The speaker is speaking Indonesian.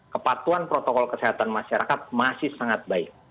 kepatuhan protokol kesehatan masyarakat masih sangat baik